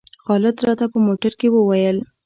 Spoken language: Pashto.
خالد راته په موټر کې وویل.